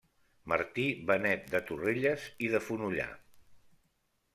Martí Benet de Torrelles i de Fonollar.